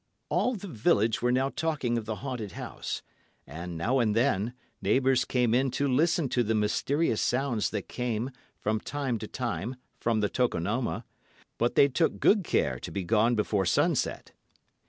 All the village were now talking of the haunted house, and, now and then, neighbours came in to listen to the mysterious sounds that came, from time to time, from the tokonoma, but they took good care to be gone before sunset.